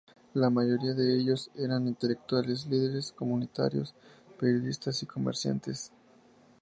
La mayoría de ellos eran intelectuales, líderes comunitarios, periodistas y comerciantes.